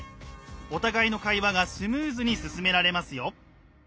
お互いの会話がスムーズに進められますよ。